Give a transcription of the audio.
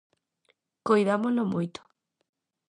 Coidámolo moito.